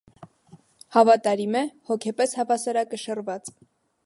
Հավատարիմ է, հոգեպես հավասարակշռված։